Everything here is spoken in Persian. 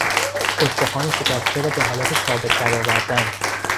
استخوان شکسته را به حالت ثابت درآوردن